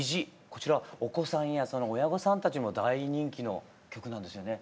こちらお子さんやその親御さんたちも大人気の曲なんですよね？